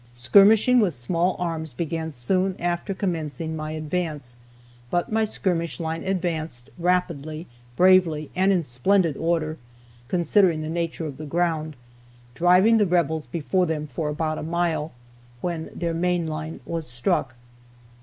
Skirmishing with small arms began soon after commencing my advance, but my skirmish line advanced, rapidly, bravely, and in splendid order, considering the nature of the ground, driving the rebels before them for about a mile," [when their main line was struck].